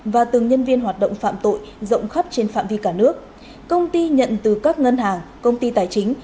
và từng nhân viên hoạt động phạm tội rộng khắp trên phạm vi cả nước công ty nhận từ các ngân hàng công ty tài chính